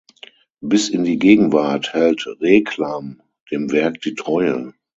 Bis in die Gegenwart hält Reclam dem Werk die Treue.